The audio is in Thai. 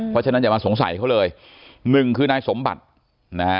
เพราะฉะนั้นอย่ามาสงสัยเขาเลยหนึ่งคือนายสมบัตินะฮะ